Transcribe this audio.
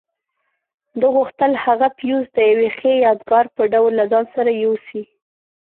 ده غوښتل هغه فیوز د یوې ښې یادګار په ډول له ځان سره یوسي.